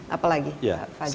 apa lagi pak fadjid